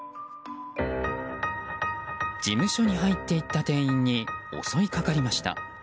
事務所に入っていった店員に襲いかかりました。